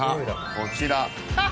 こちら。